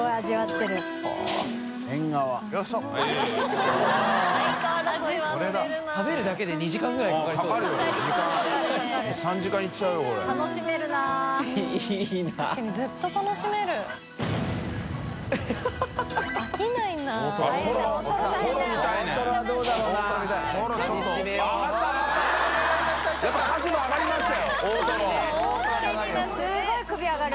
腑肇蹇すごい首上がる。